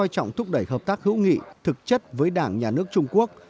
trọng thúc đẩy hợp tác hữu nghị thực chất với đảng nhà nước trung quốc